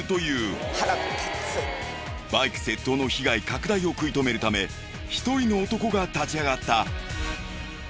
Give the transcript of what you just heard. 近年それはバイク窃盗の被害拡大を食い止めるため一人の男が立ち上がった。